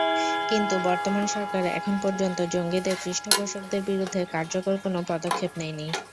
কিন্তু বর্তমান সরকার এখন পর্যন্ত জঙ্গিদের পৃষ্ঠপোষকদের বিরুদ্ধে কার্যকর কোনো পদক্ষেপ নেয়নি।